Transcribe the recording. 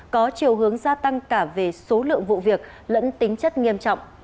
có chiều hướng gia tăng cả về số lượng vụ việc lẫn tính chất nghiêm trọng